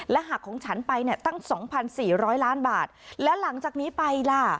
หักของฉันไปเนี่ยตั้ง๒๔๐๐ล้านบาทแล้วหลังจากนี้ไปล่ะ